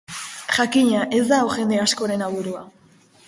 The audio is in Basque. Jakina, ez da hau jende askoren aburua.